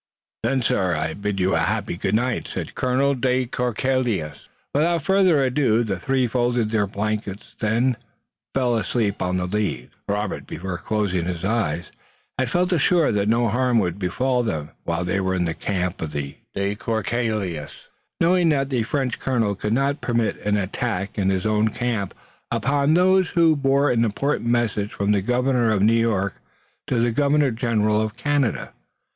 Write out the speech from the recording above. "Then, sir, I bid you a happy good night," said Colonel de Courcelles. Without further ado the three folded their blankets them and fell asleep on the leaves. Robert, before closing his eyes, had felt assured that no harm would befall them while they were in the camp of de Courcelles, knowing that the French colonel could not permit any attack in his own camp upon those who bore an important message from the Governor of New York to the Governor General of Canada.